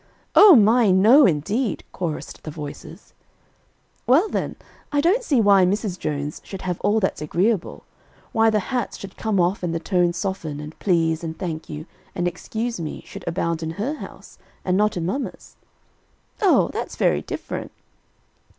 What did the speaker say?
"O my! no indeed," chorused the voices. "Well, then, I don't see why Mrs. Jones should have all that's agreeable; why the hats should come off and the tones soften, and 'please,' and 'thank you,' and 'excuse me,' should abound in her house, and not in mamma's." "Oh! that's very different."